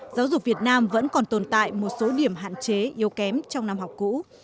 giáo dục việt nam vẫn còn tồn tại một số điểm hạn chế yếu kém trong năm học cũ